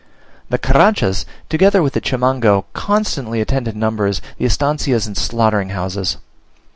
The Carranchas, together with the Chimango, constantly attend in numbers the estancias and slaughtering houses.